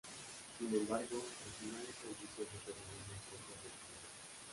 Sin embargo, al final esta decisión se tornaría muy poco afortunada.